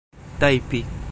tajpi